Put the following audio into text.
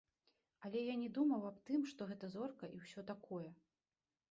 Але я не думаў аб тым, што гэта зорка і ўсё такое.